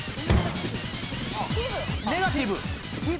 ネガティブ。